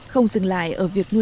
không dừng lại ở việc nguồn